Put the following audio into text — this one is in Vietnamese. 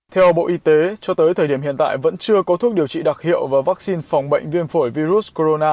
theo bộ y tế cho tới thời điểm hiện tại vẫn chưa có thuốc điều trị đặc hiệu và vaccine phòng bệnh viêm phổi virus